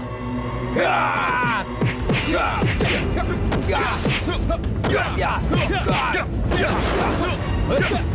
kau akan menyesal